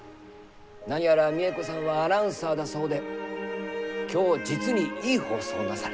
何やら実枝子さんはアナウンサーだそうで今日実にいい放送をなされたそう。